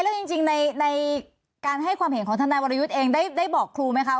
แล้วจริงในการให้ความเห็นของทนายวรยุทธ์เองได้บอกครูไหมคะ